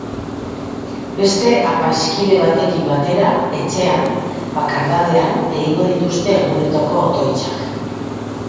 Beste apaiz kide batekin batera, etxean, bakardadean egingo dituzte egunotako otoitzak.